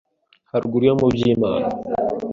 haruguru yo mu Byimana